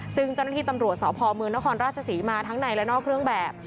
ซึ่งเจ้าหน้าที่ตำรวจสพเมืองนครราชศรีมาทั้งในและนอกเครื่องแบบ